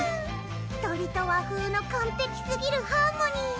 鶏と和風の完璧すぎるハーモニー